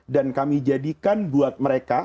dan kami jadikan buat mereka